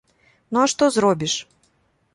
Ну а што зробіш?